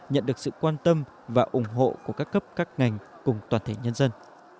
nhận được sự quan tâm và ủng hộ của các cấp các ngành cùng toàn thể nhân dân